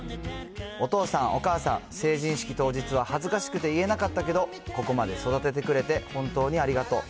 お父さん、お母さん、成人式当日は恥ずかしくて言えなかったけど、ここまで育ててくれて、本当にありがとう。